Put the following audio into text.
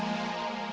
adil zain junaim